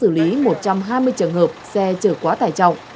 lực lượng cảnh sát giao thông đã xử lý một trăm hai mươi trường hợp xe trở quá tải trọng